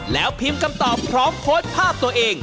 แล้วพิมพ์คำตอบพร้อมโพสต์ภาพตัวเอง